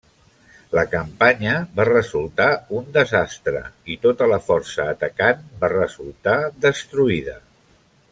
La campanya va resultar un desastre i tota la força atacant va resultar destruïda.